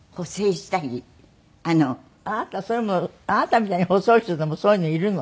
あなたそういうものあなたみたいに細い人でもそういうのいるの？